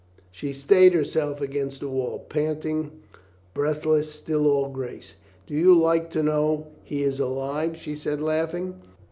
She stayed herself against the wall, panting, breathless, still all grace. "Do you like to know he is alive?" she said, laughing.